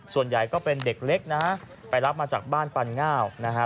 ส่วนใหญ่ก็เป็นเด็กเล็กนะฮะไปรับมาจากบ้านปันง่าวนะฮะ